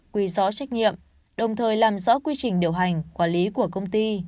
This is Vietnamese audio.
quy rõ trách nhiệm đồng thời làm rõ quy trình điều hành quản lý của công ty